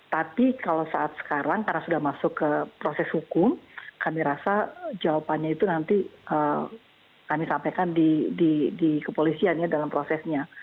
tapi kalau saat sekarang karena sudah masuk ke proses hukum kami rasa jawabannya itu nanti kami sampaikan di kepolisian ya dalam prosesnya